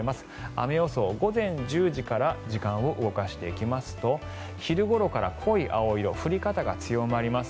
雨予想、午前１０時から時間を動かしていきますと昼ごろから濃い青色降り方が強まります。